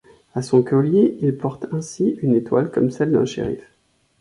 À son collier, il porte ainsi une étoile comme celle d'un shérif.